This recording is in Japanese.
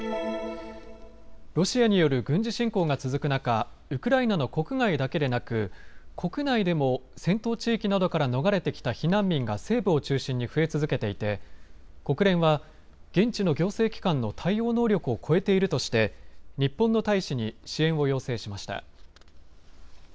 ロシアによる軍事侵攻が続く中、ウクライナの国外だけでなく国内でも戦闘地域などから逃れてきた避難民が西部を中心に増え続けていて国連は現地の行政機関の対応能力を超えているとして日本の大使に支援を要請しました。